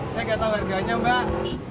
saya gak tau harganya mbak